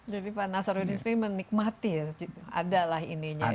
jadi pak nasruddin menikmati ya ada lah ininya ya